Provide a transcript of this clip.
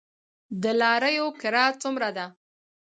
د لاریو کرایه څومره ده؟